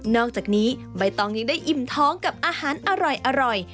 อกจากนี้ใบตองยังได้อิ่มท้องกับอาหารอร่อย